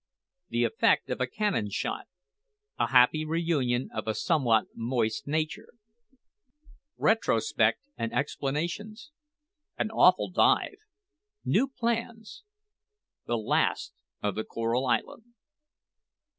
THE EFFECT OF A CANNON SHOT A HAPPY REUNION OF A SOMEWHAT MOIST NATURE RETROSPECT AND EXPLANATIONS AN AWFUL DIVE NEW PLANS THE LAST OF THE CORAL ISLAND.